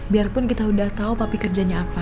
biarpun kita udah tahu tapi kerjanya apa